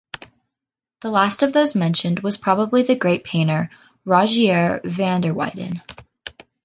The last of those mentioned was probably the great painter, Rogier van der Weyden.